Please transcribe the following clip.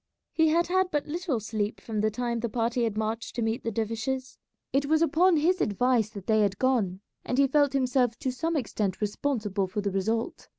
He had had but little sleep from the time the party had marched to meet the dervishes. It was upon his advice that they had gone, and he felt himself to some extent responsible for the result.